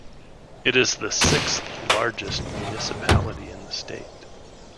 It is the sixth-largest municipality in the state.